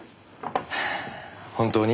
本当に？